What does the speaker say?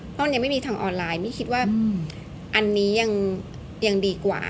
เพราะมันยังไม่มีทางออนไลน์มี่คิดว่าอันนี้ยังดีกว่า